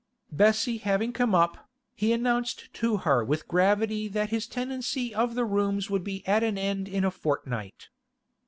Bessie having come up, he announced to her with gravity that his tenancy of the rooms would be at an end in a fortnight.